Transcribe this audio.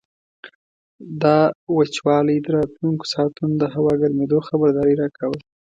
دا وچوالی د راتلونکو ساعتونو د هوا ګرمېدو خبرداری راکاوه.